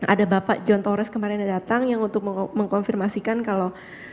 ada bapak john torres kemarin yang datang yang untuk mengkonfirmasikan kalau